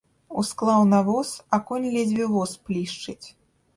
Усклаў на воз, а конь ледзьве воз плішчыць.